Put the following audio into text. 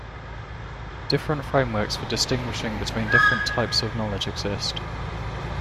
Different frameworks for distinguishing between different 'types of' knowledge exist.